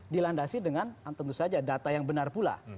dilandasi dengan tentu saja data yang benar pula